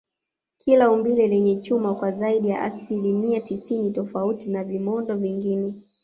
kina umbile lenye chuma kwa zaidi ya asilimia tisini tofauti na vimondo vingine